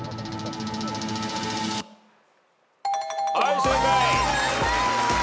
はい正解。